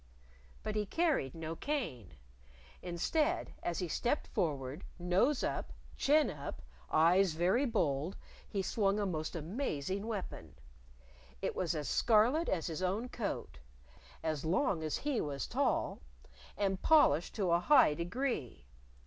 But he carried no cane. Instead, as he stepped forward, nose up, chin up, eyes very bold, he swung a most amazing weapon. It was as scarlet as his own coat, as long as he was tall, and polished to a high degree.